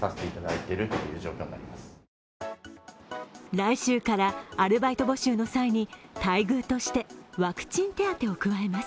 来週からアルバイト募集の際に待遇としてワクチン手当を加えます。